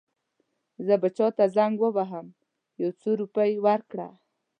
زه به چاته زنګ ووهم یو څو روپۍ ورکړه.